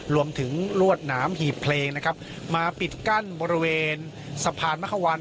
ลวดหนามหีบเพลงนะครับมาปิดกั้นบริเวณสะพานมะควัน